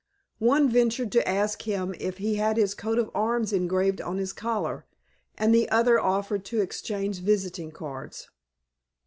One ventured to ask him if he had his coat of arms engraved on his collar and the other offered to exchange visiting cards.